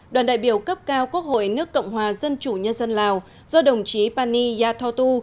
đoàn đại biểu cấp cao quốc hội nước cộng hòa dân chủ nhân dân lào do đồng chí pani yathotu